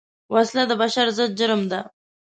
وسله د بشر ضد جرم ده